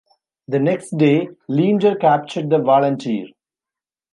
The next day "Leander" captured the "Volunteer".